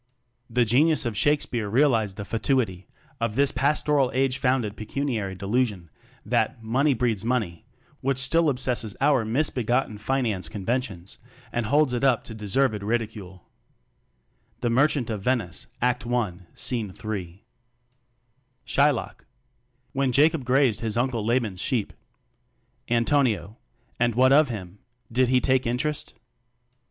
The genius of Shakespeare realized me fatuity of this pastoral age founded pecuniary delusion that "money breeds money" (which still obsesses our misbegotten finance conventions), and holds it up to de served ridicule: (The Merchant of Venice Act 1 Scene 3.) Shylock: When Jacob grazed his uncle Laban's sheep Antonio: And what of him? Did he take interest?